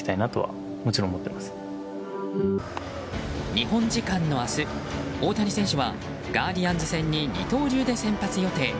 日本時間の明日、大谷選手はガーディアンズ戦に二刀流で先発予定。